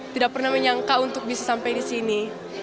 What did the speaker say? tidak pernah menyangka untuk bisa sampai di sini